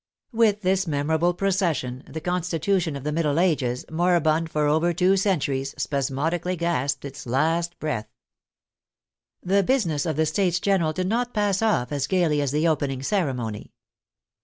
With this mem orable procession, the constitution of the Middle Ages, moribund for over two centuries, spasmodically gasped its last breath. The business of the States General did not pass off as gaily as the opening ceremony.